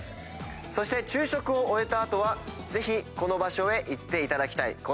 そして昼食を終えた後はぜひこの場所へ行っていただきたい。